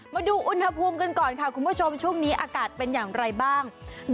มาดูอุณหภูมิกันก่อนค่ะคุณผู้ชมช่วงนี้อากาศเป็นอย่างไรบ้าง